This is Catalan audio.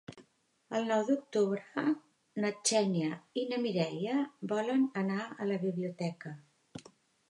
El nou d'octubre na Xènia i na Mireia volen anar a la biblioteca.